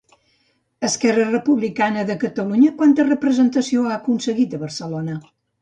Esquerra Republicana de Catalunya quanta representació ha aconseguit a Barcelona?